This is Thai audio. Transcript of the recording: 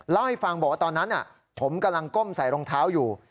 เล่าให้ฟังบอกว่าตอนนั้นผมกำลังก้มใส่รองเท้าอยู่